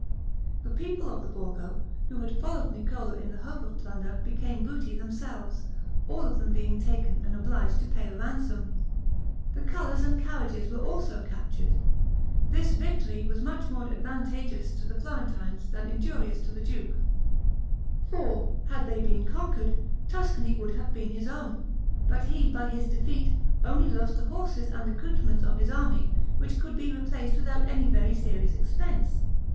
The people of the Borgo, who had followed Niccolo in the hope of plunder, became booty themselves, all of them being taken, and obliged to pay a ransom. The colors and carriages were also captured. This victory was much more advantageous to the Florentines than injurious to the duke; for, had they been conquered, Tuscany would have been his own; but he, by his defeat, only lost the horses and accoutrements of his army, which could be replaced without any very serious expense.